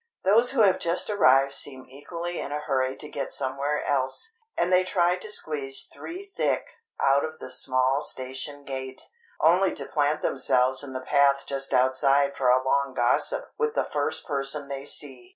Those who have just arrived seem equally in a hurry to get somewhere else, and they try to squeeze three thick out of the small station gate—only to plant themselves in the path just outside for a long gossip with the first person they see.